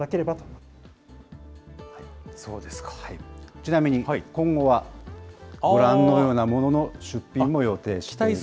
ちなみに今後は、ご覧のようなものの出品も予定しています。